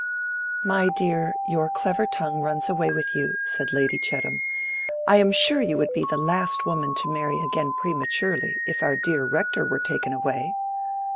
"My dear, your clever tongue runs away with you," said Lady Chettam. "I am sure you would be the last woman to marry again prematurely, if our dear Rector were taken away."